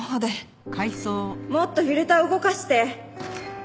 もっとフィルター動かして。